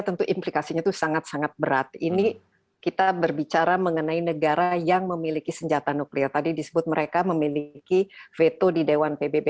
tentu implikasinya itu sangat sangat berat ini kita berbicara mengenai negara yang memiliki senjata nuklir tadi disebut mereka memiliki veto di dewan pbb